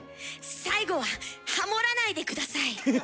最後はハモらないで下さい。